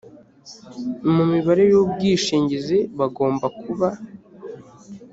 mu mibare y ubwishingizi bagomba kuba